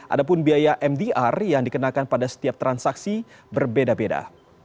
ada pun biaya mdr yang dikenakan pada setiap transaksi berbeda beda